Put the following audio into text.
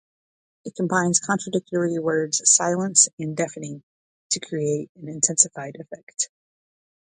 It combines contradictory words "silence" and "deafening" to create an intensified effect.